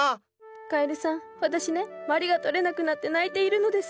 カエルさん私ねまりが取れなくなって泣いているのです。